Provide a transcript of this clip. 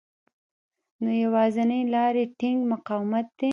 نو يوازېنۍ لاره يې ټينګ مقاومت دی.